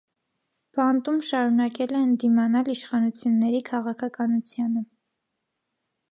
Բանտում շարունակել է ընդդիմանալ իշխանությունների քաղաքականությանը։